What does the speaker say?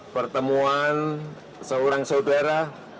pertemuan seorang saudara